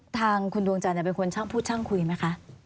ทางคุณดวงจันทร์เป็นคนช่างพูดช่างคุยไหมคะ